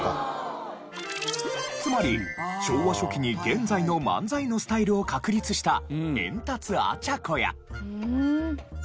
つまり昭和初期に現在の漫才のスタイルを確立したエンタツ・アチャコや。